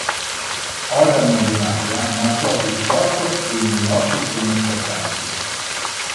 Oda Nobunaga marciò su Kyoto e i Miyoshi furono scacciati.